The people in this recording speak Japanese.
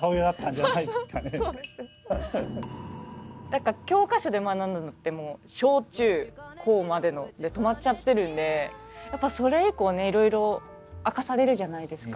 何か教科書で学んだのって小中高までので止まっちゃってるんでやっぱそれ以降ねいろいろ明かされるじゃないです